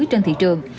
trên thị trường